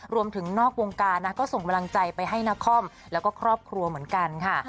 รวมถึงนอกวงการนะก็ส่งมลังใจไปให้นักคอมแล้วก็ครอบครัวเหมือนกันค่ะ